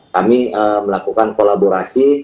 kami melakukan kolaborasi